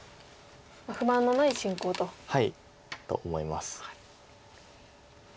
不満のない進行と。と思います。